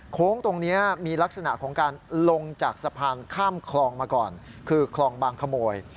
โค้งตรงนี้มีลักษณะของการลงจากสะพานข้ามคลองมาก่อนคือคลองบางขโมย